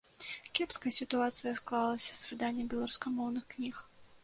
Кепская сітуацыя склалася з выданнем беларускамоўных кніг.